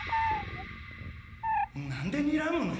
何でにらむの？